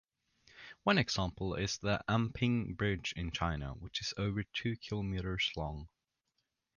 One example is the Anping Bridge in China, which is over two kilometres long.